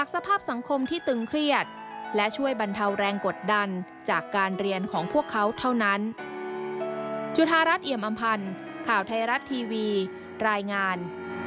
สังคมที่ตึงเครียดและช่วยบรรเทาแรงกดดันจากการเรียนของพวกเขาเท่านั้น